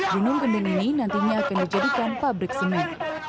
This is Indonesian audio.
gunung kendeng ini nantinya akan dijadikan pabrik semen